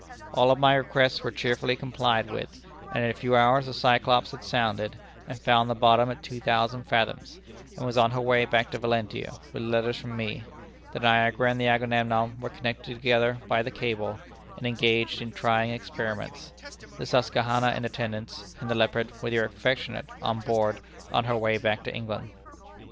"All of my requests were cheerfully complied with, and in a few hours the Cyclops had sounded, and found the bottom at two thousand fathoms, and was on her way back to Valentia with letters from me; the Niagara and the Agamemnon were connected together by the cable, and engaged in trying experiments; the Susquehanna in attendance, and the Leopard, with your affectionate on board, on her way back to England.